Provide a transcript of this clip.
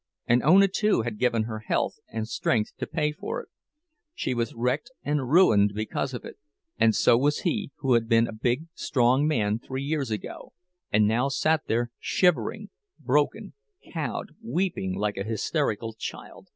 And Ona, too, had given her health and strength to pay for it—she was wrecked and ruined because of it; and so was he, who had been a big, strong man three years ago, and now sat here shivering, broken, cowed, weeping like a hysterical child.